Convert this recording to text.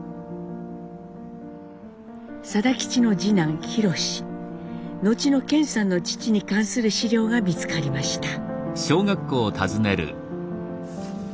定吉の次男弘史後の顕さんの父に関する資料が見つかりました。